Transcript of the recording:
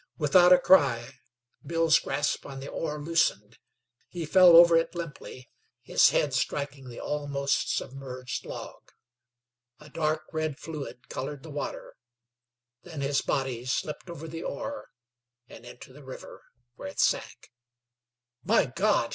Without a cry, Bill's grasp on the oar loosened; he fell over it limply, his head striking the almost submerged log. A dark red fluid colored the water; then his body slipped over the oar and into the river, where it sank. "My God!